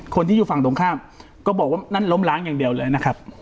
คนที่อยู่ฝั่งตรงข้ามก็บอกว่านั่นล้มล้างอย่างเดียวเลยนะครับ